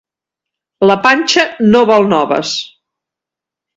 La panxa no vol noves.